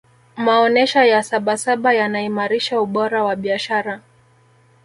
maonesha ya sabasaba yanaimarisha ubora wa biashara